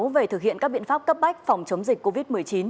về thực hiện các biện pháp cấp bách phòng chống dịch covid một mươi chín